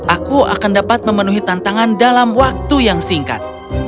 aku akan dapat memenuhi tantangan dalam waktu yang singkat